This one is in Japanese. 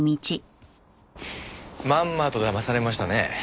まんまとだまされましたね。